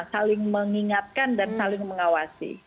saling mengingatkan dan saling mengawasi